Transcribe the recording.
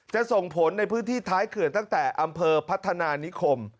ส่งผลในพื้นที่ท้ายเขื่อนตั้งแต่อำเภอพัฒนานิคม